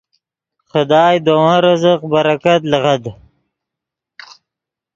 خدائے دے ون رزق برکت لیغد